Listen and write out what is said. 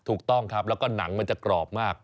ถูกต้องครับแล้วก็หนังมันจะกรอบมาก